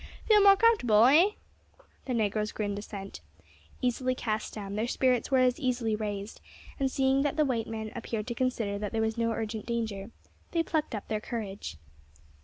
Feel more comfortable eh?" The negroes grinned assent. Easily cast down, their spirits were as easily raised, and seeing that the white men appeared to consider that there was no urgent danger, they soon plucked up their courage.